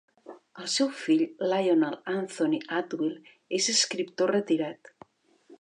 El seu fill, Lionel Anthony Atwill, és escriptor retirat.